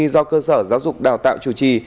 do cơ sở giáo dục đào tạo chủ trì